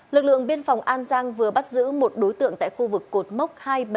lực lượng biên phòng an giang vừa bắt giữ một đối tượng tại khu vực cột mốc hai trăm bảy mươi năm một trăm hai mươi ba